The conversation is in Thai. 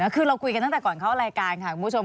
คือเราคุยกันตั้งแต่ก่อนเข้ารายการค่ะคุณผู้ชม